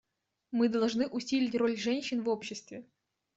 Мы должны усилить роль женщин в обществе.